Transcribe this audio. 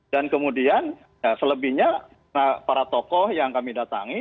dan kemudian selebihnya para tokoh yang kami datangi